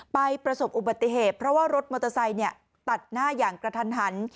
ประสบอุบัติเหตุเพราะว่ารถมอเตอร์ไซค์ตัดหน้าอย่างกระทันหัน